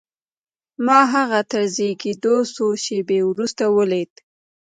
ما هغه تر زېږېدو څو شېبې وروسته وليد.